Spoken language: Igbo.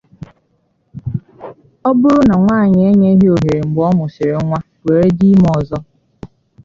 ọ bụrụ na nwanyị enyeghị ohere mgbe ọ mụsịrị nwa were dị ime ọzọ